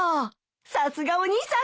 さすがお兄さん！